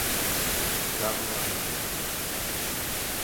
Carlo Erba